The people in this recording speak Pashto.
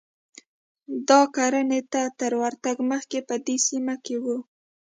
دا کرنې ته تر ورتګ مخکې په دې سیمه کې و